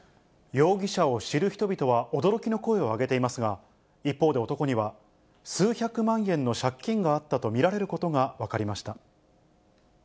容疑者を知る人々は驚きの声を上げていますが、一方で、男には数百万円の借金があったと見られることが分かりました。